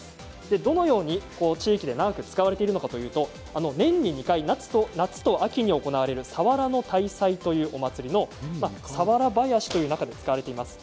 どのように地域で、長く使われているのかといいますと年に２回、夏と秋に行われる佐原の大祭というお祭りの佐原囃子という中で使われています。